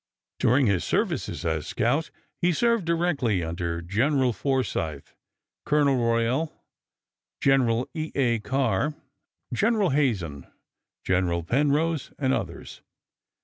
During his services as scout he served directly under General Forsyth, Colonel Royall, Gen. E. A. Carr, General Hazen, General Penrose, and others.